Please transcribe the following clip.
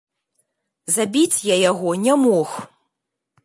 Забіць я яго не мог.